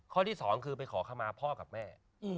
ที่สองคือไปขอขมาพ่อกับแม่